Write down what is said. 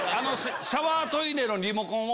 シャワートイレのリモコンを。